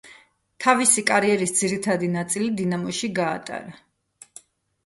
თავისი კარიერის ძირითადი ნაწილი დინამოში გაატარა.